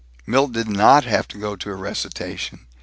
Milt did not have to go to a recitation.